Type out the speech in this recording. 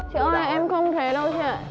chị ơi em không thấy đâu chị ạ